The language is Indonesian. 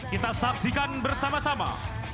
kita saksikan bersama sama